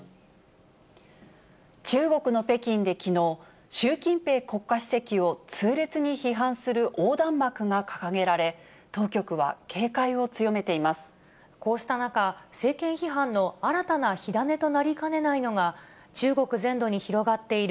中国の北京できのう、習近平国家主席を痛烈に批判する横断幕が掲げられ、当局は警戒をこうした中、政権批判の新たな火種となりかねないのが、中国全土に広がってい